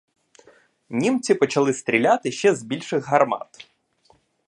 Німці почали стріляти ще з більших гармат.